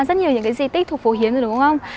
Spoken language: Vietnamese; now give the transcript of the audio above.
rất nhiều di tích thuộc phổ hiến